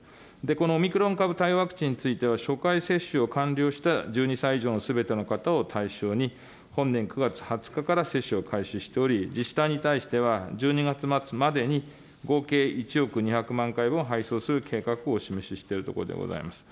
このオミクロン対応ワクチンについては、初回接種を完了した１２歳以上のすべての方を対象に、本年９月２０日から接種を開始しており、自治体に対しては、１２月末までに合計１億２００万回分を配送する計画をお示ししているところでございます。